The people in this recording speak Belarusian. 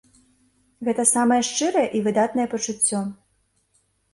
Гэта самае шчырае і выдатнае пачуццё.